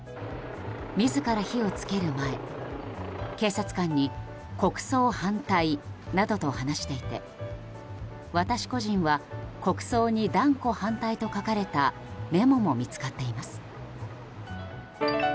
自ら火を付ける前、警察官に国葬反対などと話していて私個人は国葬に断固反対と書かれたメモも見つかっています。